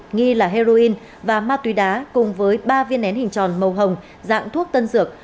nghi là heroin và ma túy đá cùng với ba viên nén hình tròn màu hồng dạng thuốc tân dược